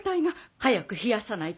早く冷やさないと。